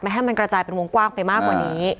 ให้มันกระจายเป็นวงกว้างไปมากกว่านี้